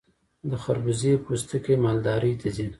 د خربوزې پوستکي مالداري ته ځي.